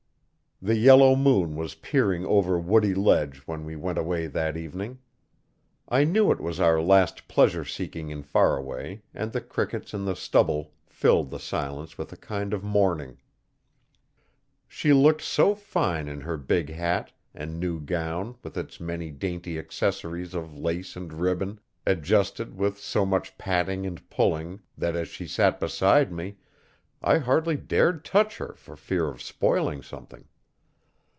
The yellow moon was peering over Woody Ledge when we went away that evening. I knew it was our last pleasure seeking in Faraway, and the crickets in the stubble filled the silence with a kind of mourning. She looked so fine in her big hat and new gown with its many dainty accessories of lace and ribbon, adjusted with so much patting and pulling, that as she sat beside me, I hardly dared touch her for fear of spoiling something.